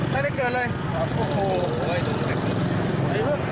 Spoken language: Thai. พบแน่ว